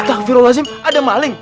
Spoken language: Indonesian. astaghfirullahaladzim ada maling